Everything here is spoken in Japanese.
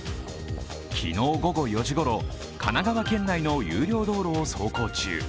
昨日午後４時ごろ神奈川県内の有料道路を走行中